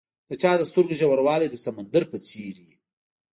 د چا د سترګو ژوروالی د سمندر په څېر وي.